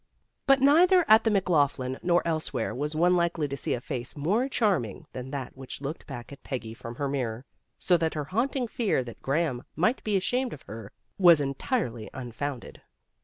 But neither at the McLaughlin nor elsewhere was one likely to see a face more charming than that which looked back at Peggy from her mirror, so that her haunting fear that Graham might be ashamed of her was entirely unfounded.